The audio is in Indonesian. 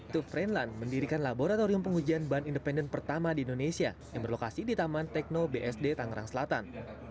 tufrenlan mendirikan laboratorium pengujian ban independen pertama di indonesia yang berlokasi di taman tekno bsd tangerang selatan